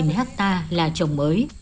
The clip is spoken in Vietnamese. một hectare là trồng